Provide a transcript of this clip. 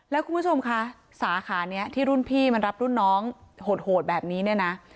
แล้วคุณผู้ชมคะสาขานี้ที่รุ่นพี่มันรับรุ่นน้องโหดแบบนี้เนี่ยนะ